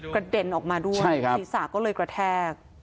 กระเด็นออกมาด้วยใช่ครับศีรษะก็เลยกระแทก